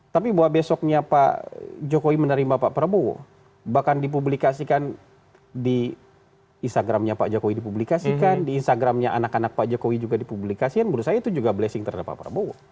tapi bahwa besoknya pak jokowi menerima pak prabowo bahkan dipublikasikan di instagramnya pak jokowi dipublikasikan di instagramnya anak anak pak jokowi juga dipublikasikan menurut saya itu juga blessing terhadap pak prabowo